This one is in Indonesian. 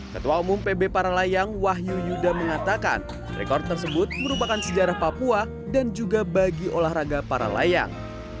ketua umum pb paralayang wahyu yuda mengatakan rekor tersebut merupakan sejarah papua dan juga bagi olahraga paralayang